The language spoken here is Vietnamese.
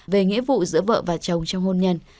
về nghĩa vụ giữa vợ và chồng trong hôn nhân